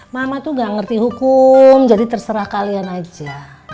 mama tuh gak ngerti hukum jadi terserah kalian aja